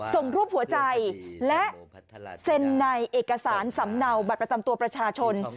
ส่งรูปหัวใจและเซ็นในเอกสารสำเนาบัตรประจำตัวประชาชน